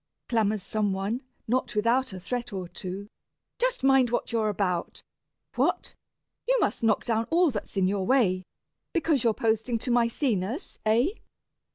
clamours some one, not without A threat or two, "just mind what you're about: What? you must knock down all that's in your way, Because you're posting to Maecenas, eh?"